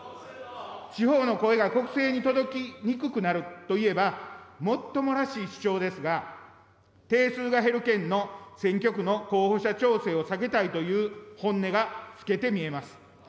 地方の声が国政に届きにくくなるといえば、もっともらしい主張ですが、定数が減る県の選挙区の候補者調整を避けたいという本音が透けて見えます。